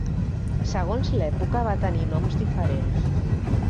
Segons l'època va tenir noms diferents.